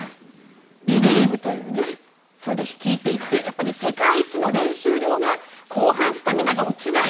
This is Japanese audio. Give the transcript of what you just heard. ビリーブというそれで率いていってやっぱり世界一の練習量が後半、スタミナが落ちない